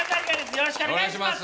よろしくお願いします。